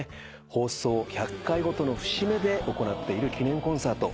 放送１００回ごとの節目で行っている記念コンサート。